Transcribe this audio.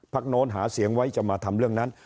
โน้นหาเสียงไว้จะมาทำเรื่องนั้น